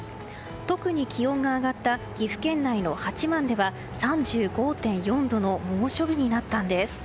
特に気温が上がった岐阜県内の八幡では３５．４度の猛暑日となったんです。